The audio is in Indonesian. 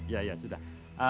ya ya sudah